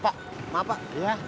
pak maaf pak